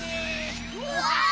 うわ！